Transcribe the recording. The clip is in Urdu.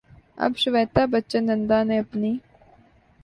اب شویتا بچن نندا نے اپنی